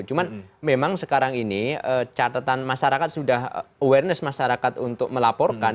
cuman memang sekarang ini catatan masyarakat sudah awareness masyarakat untuk melaporkan